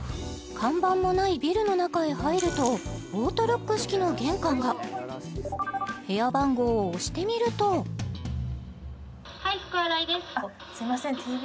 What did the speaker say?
看板もないビルの中へ入るとオートロック式の玄関が部屋番号を押してみるとすみませんＴＢＳの